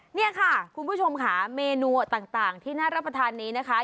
นี่ค่ะคุณผู้ชมค่ะเมนูต่างที่น่ารับประทานนี้นะคะ